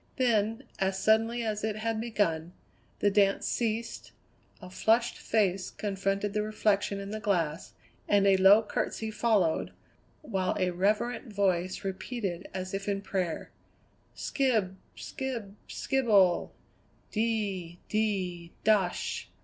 Then, as suddenly as it had begun, the dance ceased, a flushed face confronted the reflection in the glass, and a low curtsey followed, while a reverent voice repeated as if in prayer: "Skib, skib, skibble de de dosh!"